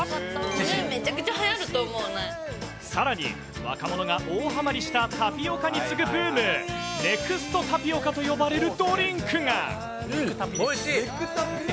これ、さらに、若者が大はまりしたタピオカに次ぐブーム、ＮＥＸＴタピオカと呼ばれるドリンクが。